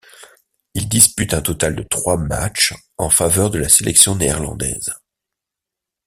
Il dispute un total de trois matchs en faveur de la sélection néerlandaise.